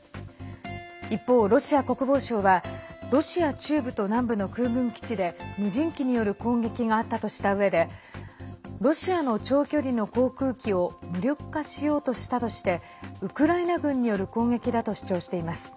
一方、ロシア国防省はロシア中部と南部の空軍基地で無人機による攻撃があったとしたうえでロシアの長距離の航空機を無力化しようとしたとしてウクライナ軍による攻撃だと主張しています。